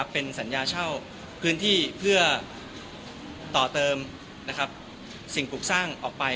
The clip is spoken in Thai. เป็นสัญญาเช่าพื้นที่เพื่อต่อเติมสิ่งปลูกสร้างออกไป